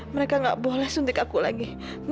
mereka gak boleh suntik aku lagi